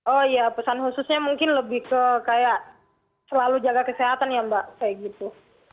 oh iya pesan khususnya mungkin lebih ke kayak selalu jaga kesehatan ya mbak kayak gitu